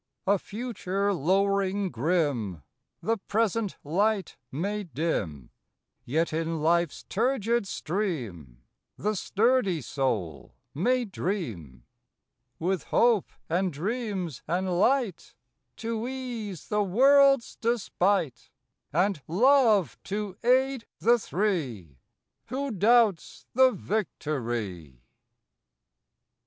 A future lowering grim The present light may dim, Yet in life s turgid stream The sturdy soul may dream. December Fourth With Hope and Dreams and Light To ease the world s despite, And Love to aid the three Who doubts the victory?